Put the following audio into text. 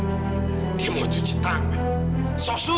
benar kamu yang sudah mutlak kayak anak saya